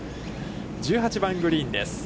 １８番グリーンです。